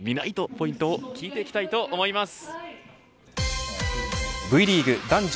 ポイントを聞いていきたいと思います。